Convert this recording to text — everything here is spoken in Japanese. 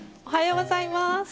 おはようございます。